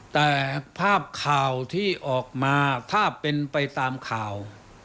แต่ภาพข่าวที่ออกมาถ้าเป็นไปตามข่าว